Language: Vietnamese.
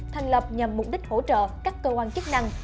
thành lập nhằm mục đích hỗ trợ các cơ quan chức năng